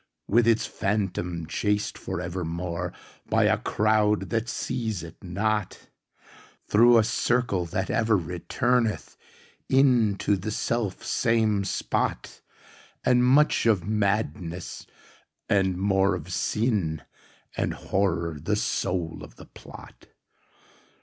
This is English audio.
With its Phantom chased for evermore, By a crowd that seize it not, Through a circle that ever returneth inTo the self same spot, And much of Madness, and more of Sin, And Horror the soul of the plot.